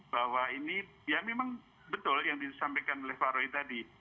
bahwa ini ya memang betul yang disampaikan oleh pak roy tadi